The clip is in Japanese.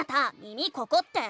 「耳ここ⁉」って。